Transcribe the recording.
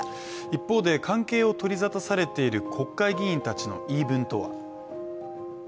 一方で関係を取り沙汰されている国会議員たちの言い分とは。